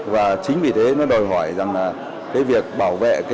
và chính vì thế nó đòi hỏi rằng là cái việc bảo vệ